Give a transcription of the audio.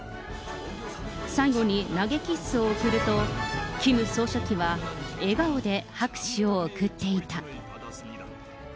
最後に、投げキッスを送ると、キム総書記は、笑顔で拍手を送っていた。